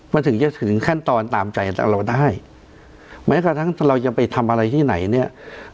มันถึงจะถึงขั้นตอนตามใจเราได้แม้กระทั่งเราจะไปทำอะไรที่ไหนเนี่ย